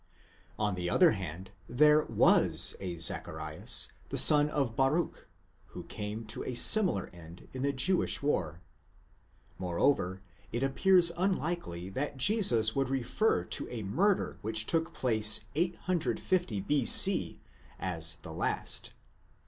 On the other hand, there was a Zacharias, the son of Baruch, who came to a similar end in the Jewish war.°? Moreover, it. appears unlikely that Jesus would refer to a murder which took place 850 B.c. as the last.